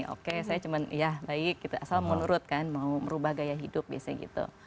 oke saya cuma ya baik gitu asal menurut kan mau merubah gaya hidup biasanya gitu